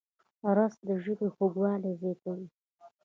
رس د ژبې خوږوالی زیاتوي